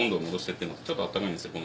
ちょっとあったかいんですよ